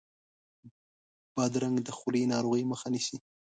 بادرنګ د خولې ناروغیو مخه نیسي.